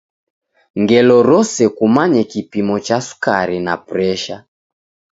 Ngelo rose kumanye kipimo cha sukari na presha.